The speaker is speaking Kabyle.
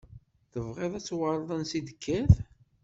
Tebɣiḍ ad tuɣaleḍ ansa i d-tekkiḍ?